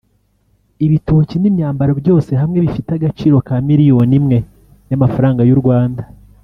ibitoki n’imyambaro byose hamwe bifite agaciro ka miliyoni imwe y’amafaranga y’u Rwanda